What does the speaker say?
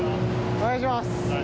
お願いします。